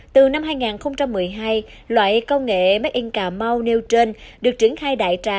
từ năm hai nghìn một mươi hai loại công nghệ made in cà mau neutron được triển khai đại trà